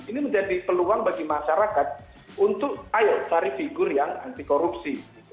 ini menjadi peluang bagi masyarakat untuk ayo cari figur yang anti korupsi